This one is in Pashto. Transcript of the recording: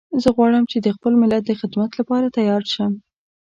زه غواړم چې د خپل ملت د خدمت لپاره تیار شم